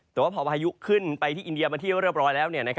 แต่ว่าพอพายุขึ้นไปที่อินเดียมาที่เรียบร้อยแล้ว